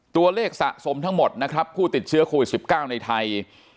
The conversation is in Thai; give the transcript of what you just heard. ตัวเลขสะสมทั้งหมดนะครับผู้ติดเชื้อโควิด๑๙ในไทย